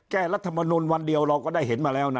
รัฐมนุนวันเดียวเราก็ได้เห็นมาแล้วนะ